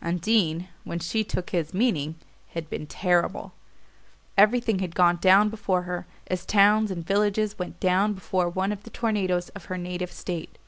Undine, when she took his meaning, had been terrible. Everything had gone down before her, as towns and villages went down before one of the tornadoes of her native state.